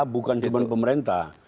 bukan cuma pemerintah